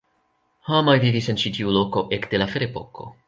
Homoj vivis en ĉi tiu loko ekde la ferepoko.